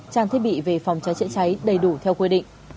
trang thiết bị về phòng cháy chữa cháy đầy đủ theo quy định